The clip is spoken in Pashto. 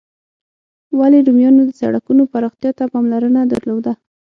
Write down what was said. ولي رومیانو د سړکونو پراختیا ته پاملرنه درلوده؟